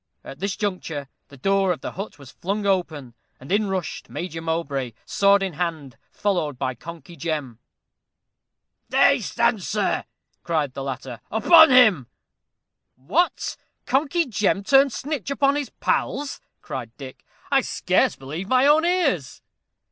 At this juncture, the door of the hut was flung open, and in rushed Major Mowbray, sword in hand, followed by Conkey Jem. "There he stands, sir," cried the latter; "upon him!" "What! Conkey Jem turned snitch upon his pals?" cried Dick; "I scarce believe my own ears."